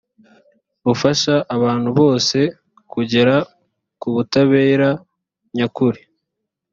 bufasha abantu bose kugera ku butabera nyakuri